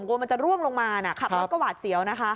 กลัวมันจะร่วงลงมาขับรถก็หวาดเสียวนะคะ